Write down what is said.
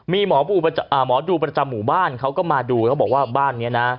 มีหมอดูประจำหมู่บ้านเขาก็มาดูเขาบอกว่าบ้านนี้นะ